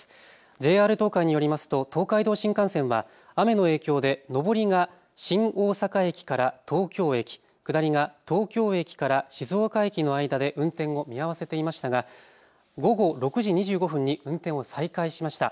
ＪＲ東海によりますと東海道新幹線は雨の影響で上りが新大阪駅から東京駅、下りが東京駅から静岡駅の間で運転を見合わせていましたが午後６時２５分に運転を再開しました。